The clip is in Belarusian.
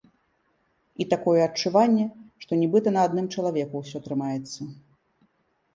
І такое адчуванне, што нібыта на адным чалавеку ўсё трымаецца.